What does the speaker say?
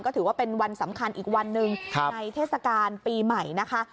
ก็ถือว่าเป็นวันสำคัญอีกวันหนึ่งในเทศกาลปีใหม่นะคะ